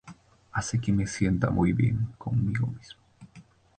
Hace que me sienta muy bien conmigo mismo.